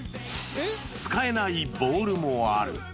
使えないボールもある。